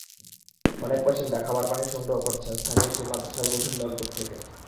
অনেক বাসিন্দা খাবার পানি সংগ্রহ করছেন স্থানীয় একটি মাদ্রাসার গভীর নলকূপ থেকে।